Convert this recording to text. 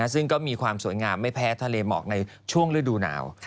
ซึ่งก็มีความสวยงามไม่แพ้ทะเลหมอกในช่วงฤดูหนาว